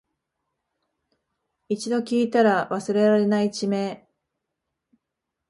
一度聞いたら忘れられない地名